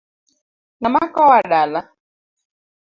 Ngama kowa dala ?